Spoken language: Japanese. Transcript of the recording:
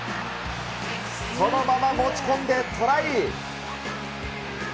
そのまま持ち込んでトライ。